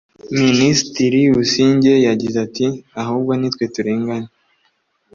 Minisitiri Busingye yagize ati “Ahubwo ni twe turengana